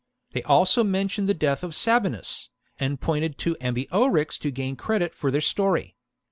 They also mentioned the death of Sabinus, and pointed to Ambiorix to gain credit for their story.